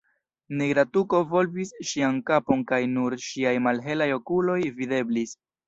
Nigra tuko volvis ŝian kapon kaj nur ŝiaj malhelaj okuloj videblis.